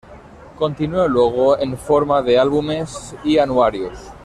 Continuó luego en forma de álbumes y anuarios.